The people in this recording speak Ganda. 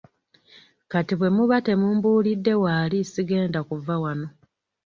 Kati bwe muba temumbuulidde waali sigenda kuva wano.